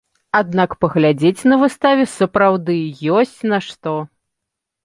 Аднак паглядзець на выставе сапраўды ёсць на што.